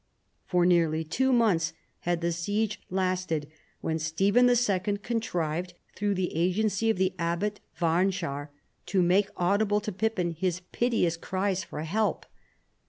For nearly two months had the siege lasted when Stephen 11. contrived, through the agency of the abbot AVai nehar, to make audible to Pippin his piteous cries for help.